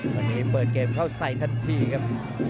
วันนี้เปิดเกมเข้าใส่ทันทีครับ